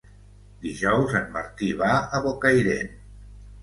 Dijous en Martí va a Bocairent.